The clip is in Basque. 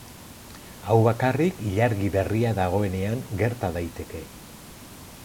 Hau bakarrik ilargi berria dagoenean gerta daiteke.